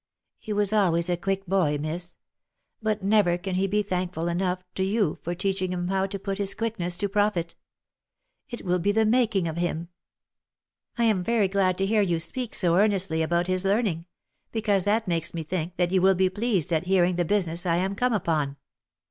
^" He was always a quick boy, Miss — but never can he be thankful enough to you for teaching him how to put his quickness to profit. It will be the making of him." "lam very glad to hear you speak so earnestly about his learning, because that makes me think that you will be pleased at hearing the business I am come upon.